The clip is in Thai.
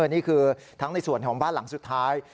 นี่คือทั้งในส่วนของบ้านหลังสุดท้าย